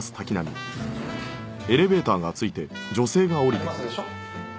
ありますでしょ。